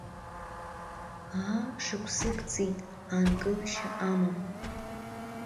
Аа, шықәсык ҵит, аанкылашьа амам.